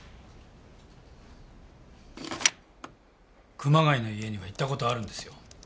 熊谷の家には行った事あるんですよ。